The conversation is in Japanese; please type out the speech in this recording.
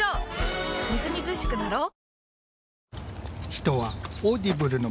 みずみずしくなろう。